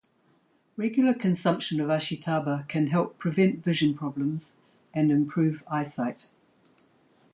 Regular consumption of Ashitaba can help prevent vision problems and improve eyesight.